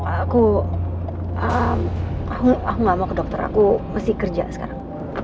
aku gak mau ke dokter aku masih kerja sekarang